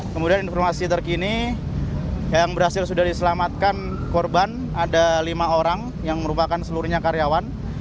kemudian informasi terkini yang berhasil sudah diselamatkan korban ada lima orang yang merupakan seluruhnya karyawan